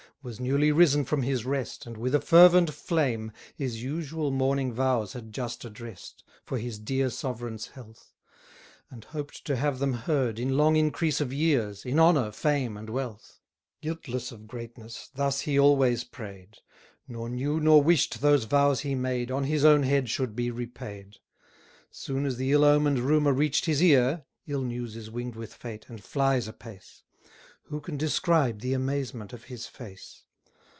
Was newly risen from his rest, And, with a fervent flame, His usual morning vows had just address'd For his dear sovereign's health; And hoped to have them heard, In long increase of years, In honour, fame, and wealth: Guiltless of greatness thus he always pray'd, Nor knew nor wish'd those vows he made, On his own head should be repaid. Soon as the ill omen'd rumour reach'd his ear, (Ill news is wing'd with fate, and flies apace,) Who can describe the amazement of his face!